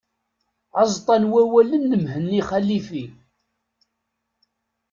Aẓeṭṭa n wawalen n Mhenni Xalifi.